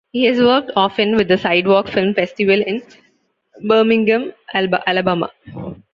He has worked often with the Sidewalk Film Festival in Birmingham, Alabama.